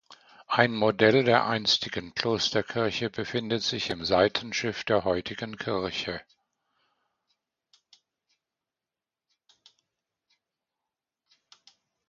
Ein Modell der einstigen Klosterkirche befindet sich im Seitenschiff der heutigen Kirche.